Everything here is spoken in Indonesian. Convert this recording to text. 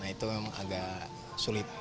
itu memang agak sulit